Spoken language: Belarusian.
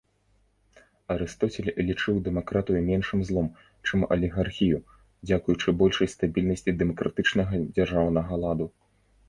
Арыстоцель лічыў дэмакратыю меншым злом, чым алігархію, дзякуючы большай стабільнасці дэмакратычнага дзяржаўнага ладу.